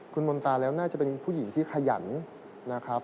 คุณมนตาแล้วน่าจะเป็นผู้หญิงที่ขยันนะครับ